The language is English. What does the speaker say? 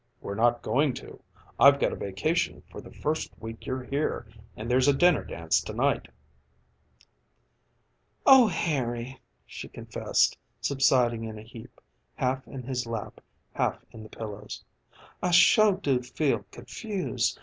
"We're not going to. I've got a vacation for the first week you're here, and there's a dinner dance to night." "Oh, Harry," she confessed, subsiding in a heap, half in his lap, half in the pillows, "I sure do feel confused.